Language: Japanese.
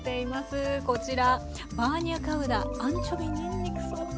こちらバーニャカウダアンチョビにんにくソース。